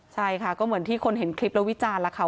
ใช่ค่ะก็เหมือนที่คนเห็นคลิปแล้ววิจารณ์แล้วค่ะ